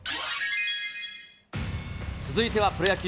続いてはプロ野球。